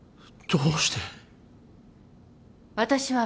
どうして。